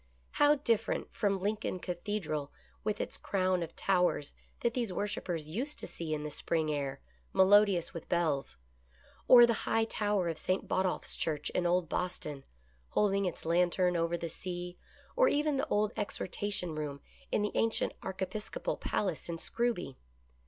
How different from Lincoln Cathedral with its crown of towers that these worshipers used to see in the spring air, melodi ous with bells ; or the high tower of St. Botolph's Church in old Boston, holding its lantern over the sea, or even the old exhortation room in the ancient archiepiscopal palace in Scrooby